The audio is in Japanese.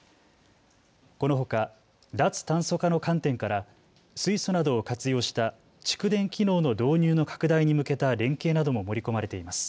このほか脱炭素化の観点から水素などを活用した蓄電機能の導入の拡大に向けた連携なども盛り込まれています。